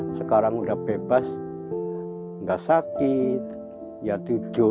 nah sekarang udah bebas nggak sakit ya tidur enak makan juga enak